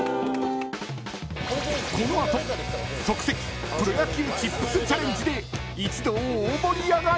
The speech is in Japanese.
［この後即席プロ野球チップスチャレンジで一同大盛り上がり］